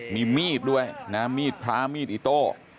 มีมีดด้วยนะมีดพระมีดอิโต้